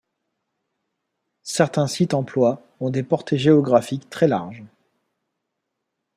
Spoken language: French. Certains sites emploi ont des portées géographiques très larges.